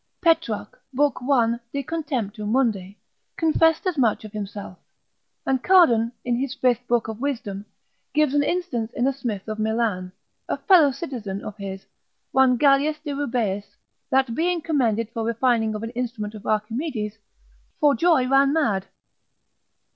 Petrarch, lib. 1 de contemptu mundi, confessed as much of himself, and Cardan, in his fifth book of wisdom, gives an instance in a smith of Milan, a fellow citizen of his, one Galeus de Rubeis, that being commended for refining of an instrument of Archimedes, for joy ran mad.